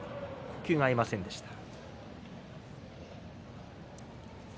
呼吸が合いませんでした。